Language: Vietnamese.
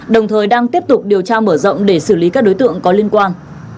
đồng thời đang tiếp tục điều tra mở rộng để xử lý các đối tượng có liên quan